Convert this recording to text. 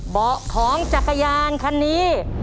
เบาะของจักรยานคันนี้